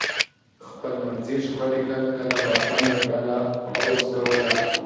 خپلمنځي شخړې کله کله واکمنه ډله عوض کوله.